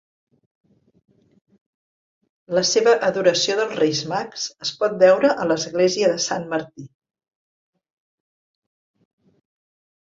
La seva "adoració dels Reis Mags" es pot veure a l'església de Sant Martí.